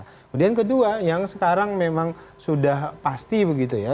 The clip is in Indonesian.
kemudian kedua yang sekarang memang sudah pasti begitu ya